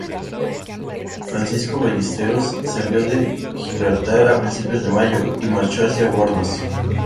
Francisco Ballesteros salió de Gibraltar a principios de mayo y marchó hacia Bornos.